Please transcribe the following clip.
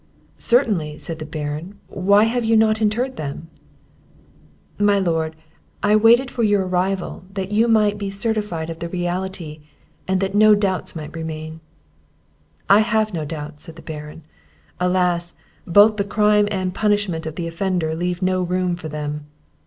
"Certainly," said the Baron; "why have you not interred them?" "My lord, I waited for your arrival, that you might be certified of the reality, and that no doubts might remain." "I have no doubts," said the Baron; "Alas! both the crime and punishment of the offender leave no room for them!"